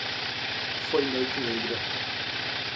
Foi noite negra